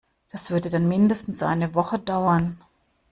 Das würde dann mindestens eine Woche dauern.